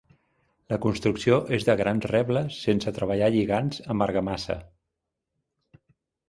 La construcció és de grans rebles sense treballar lligants amb argamassa.